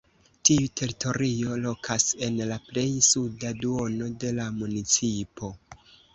Tiu teritorio lokas en la plej suda duono de la municipo.